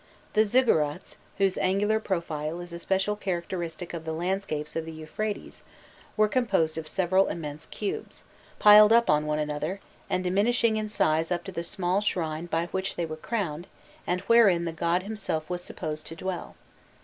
The "ziggurats," whose angular profile is a special characteristic of the landscapes of the Euphrates, were composed of several immense cubes, piled up on one another, and diminishing in size up to the small shrine by which they were crowned and wherein the god himself was supposed to dwell.